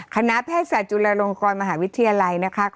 คณะแพทย์ศาสตร์จุลลงคลมหาวิทยาลัย